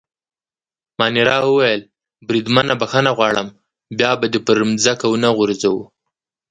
مانیرا وویل: بریدمنه بخښنه غواړم، بیا به دي پر مځکه ونه غورځوو.